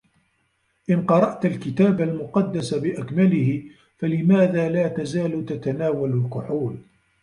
إن قرأت الكتاب المقدّس بأكمله، فلماذا لا تزال تتناول الكحول؟